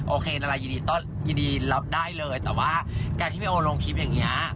อะไรยินดีรับได้เลยแต่ว่าการที่พี่โอลงคลิปอย่างนี้